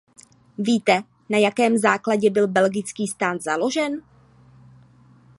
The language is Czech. Víte, na jakém základě byl belgický stát založen?